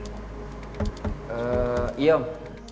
ehm iya om